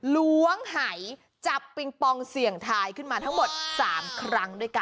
ล้วงหายจับปิงปองเสี่ยงทายขึ้นมาทั้งหมด๓ครั้งด้วยกัน